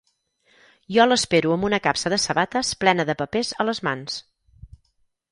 Jo l'espero amb una capsa de sabates plena de papers a les mans.